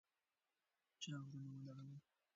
چا غرونه ونړول؟